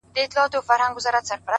o كوټه ښېراوي هر ماښام كومه؛